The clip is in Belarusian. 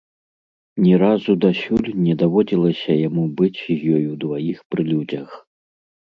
Ні разу дасюль не даводзілася яму быць з ёй удваіх пры людзях.